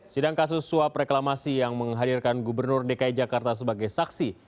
sidang kasus suap reklamasi yang menghadirkan gubernur dki jakarta sebagai saksi